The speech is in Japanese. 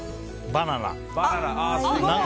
「バナナ」。